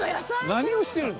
何をしてるん？